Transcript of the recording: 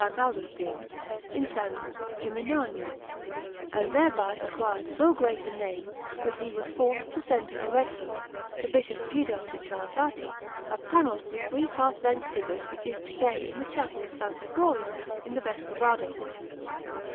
Augustine in San Gimignano, and thereby acquired so great a name that he was forced to send to Arezzo, to Bishop Guido de' Tarlati, a panel with three half length figures which is to day in the Chapel of S. Gregorio in the Vescovado.